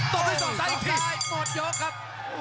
ตอบด้วยส่วนซึกครับ